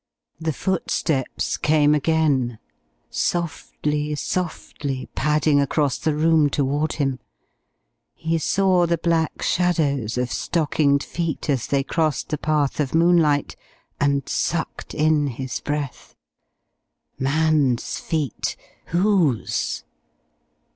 The footsteps came again, softly, softly padding across the room toward him. He saw the black shadows of stockinged feet as they crossed the path of moonlight, and sucked in his breath. Man's feet!... Whose?...